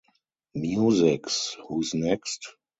Music's Who's Next?